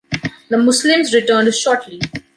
The Muslims returned shortly.